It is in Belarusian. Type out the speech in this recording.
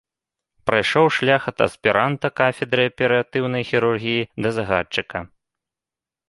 Прайшоў шлях ад аспіранта кафедры аператыўнай хірургіі да загадчыка.